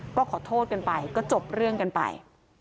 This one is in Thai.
ก็ขอโทษกันไปก็จบเรื่องกันไป